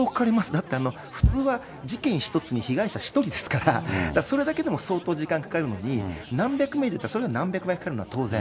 だって普通は事件１つに被害者１人ですから、それだけでも相当時間かかるのに、何百名もいたら、それで言ったら何百倍かかるのは当然。